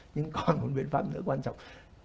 nhưng còn một biện pháp nữa quan trọng